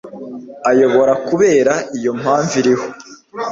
ayobora kubera iyo mpamvu iriho